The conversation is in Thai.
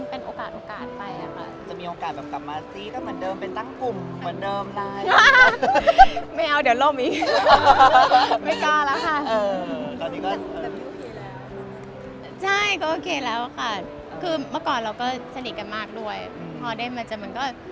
เพราะว่ามันไม่ดีมันล้างไม่ดีเนอะ